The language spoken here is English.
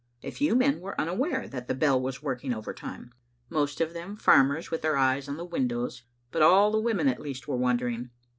A few men were unaware that the bell was working overtime, most of them farmers with their eyes on the windows, but all the women at least were wondering.